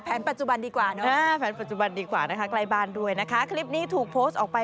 แผนปัจจุบันดีกว่าเนอะ